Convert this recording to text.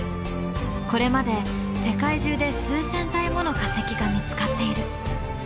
これまで世界中で数千体もの化石が見つかっている。